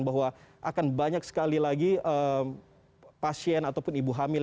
bahwa akan banyak sekali lagi pasien ataupun ibu hamil